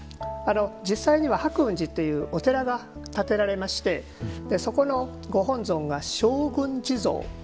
実際には白雲寺というお寺が建てられましてそこのご本尊が勝軍地蔵。